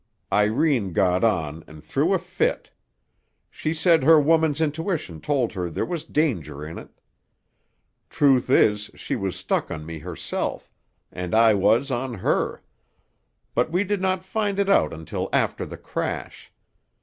Irene got on and threw a fit. She said her woman's intuition told her there was danger in it. Truth is, she was stuck on me herself, and I was on her; but we did not find it out until after the crash.